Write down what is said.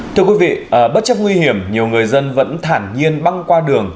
thưa quý vị bất chấp nguy hiểm nhiều người dân vẫn thản nhiên băng qua đường